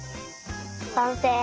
さんせい！